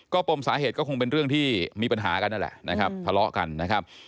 ปมสาเหตุก็คงเป็นเรื่องที่มีปัญหากันนั่นแหละนะครับทะเลาะกันนะครับ